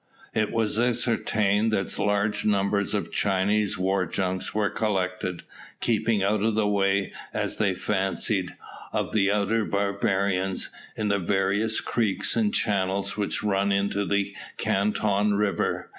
It was ascertained that large numbers of Chinese war junks were collected, keeping out of the way, as they fancied, of the outer barbarians, in the various creeks and channels which run into the Canton river.